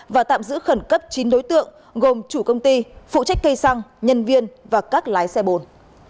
và tạm giữ khẩn cấp chín đối tượng gồm chủ công ty phụ trách cây xăng nhân viên và các lái xe bồn